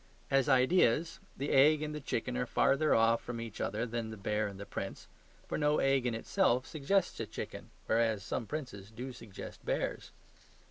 As IDEAS, the egg and the chicken are further off from each other than the bear and the prince; for no egg in itself suggests a chicken, whereas some princes do suggest bears.